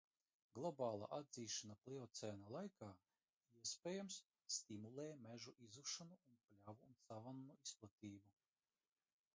Globālā atdzišana pliocēna laikā, iespējams, stimulēja mežu izzušanu un pļavu un savannu izplatību.